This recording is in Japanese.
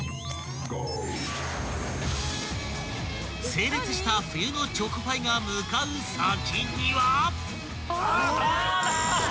［整列した冬のチョコパイが向かう先には］